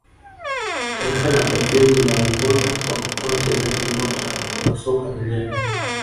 taifa la brazil linaongoza kwa kutoa wachezaji nyota wa soka duniani